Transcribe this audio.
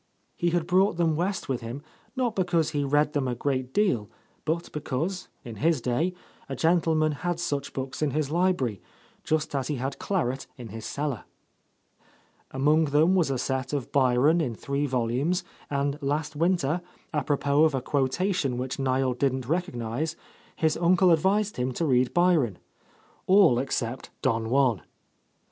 He had brought them West with him, not because he read them a great deal, but because, in his day, a gentleman had such books in his library, just as he had claret in his cellar. Among them was a set of Byron in three volumes, and last winter, apropos of a quotation which Niel didn't recognize, his uncle advised him to read Byron, — all except "Don Juan."